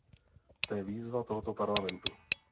To je výzva tohoto Parlamentu.